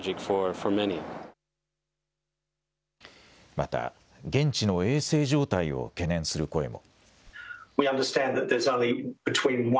また、現地の衛生状態を懸念する声も。